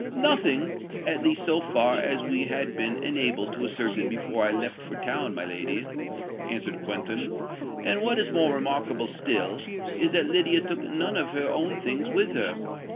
"Nothing—at least so far as we had been enabled to ascertain before I left for town, my lady," answered Quentin. "And what is more remarkable still, is that Lydia took none of her own things with her.